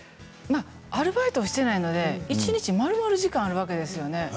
アルバイトをしていないので一日、まるまる時間があるわけですよね。